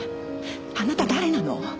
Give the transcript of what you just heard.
あなた誰なの？